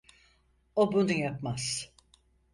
O bunu yapmaz.